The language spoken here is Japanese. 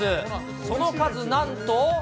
その数なんと。